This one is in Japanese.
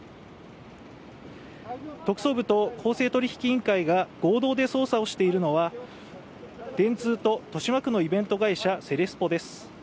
特捜部と公正取引委員会が合同で捜査をしているのは電通と豊島区のイベント会社セレスポです